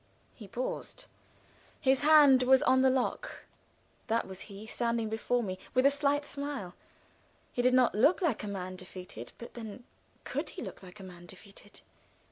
He paused. His hand was on the lock. That was he standing before me, with a slight smile. He did not look like a man defeated but then, could he look like a man defeated?